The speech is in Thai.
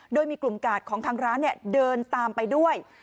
โดยมีกลุ่มกาดของทางร้านเดินตามไปด้วย